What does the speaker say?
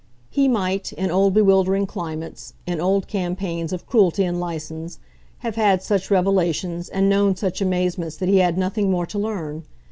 He might, in old bewildering climates, in old campaigns of cruelty and license, have had such revelations and known such amazements that he had nothing more to learn.